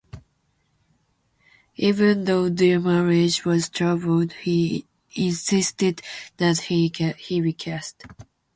Even though their marriage was troubled, he insisted that she be cast.